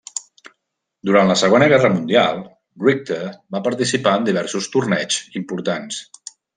Durant la Segona Guerra Mundial, Richter va participar en diversos torneigs importants.